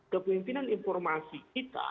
kepemimpinan informasi kita